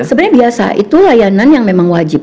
sebenarnya biasa itu layanan yang memang wajib